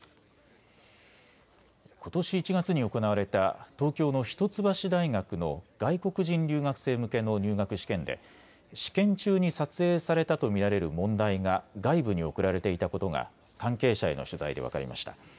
ことし１月に行われた東京の一橋大学の外国人留学生向けの入学試験で試験中に撮影されたと見られる問題が外部に送られていたことが関係者への取材で分かりました。